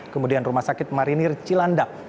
kemudian rumah sakit marinir cilandak